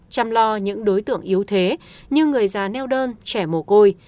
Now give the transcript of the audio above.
chăm lo những đối tượng yếu thế như người già neo đơn trẻ mồ côi